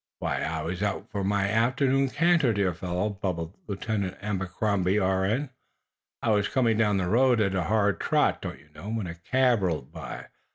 "Why, I was out for my afternoon canter, dear old fellow," bubbled Lieutenant Abercrombie, R.N. "I was coming down the road at a hard trot, don't you know, when a cab rolled by.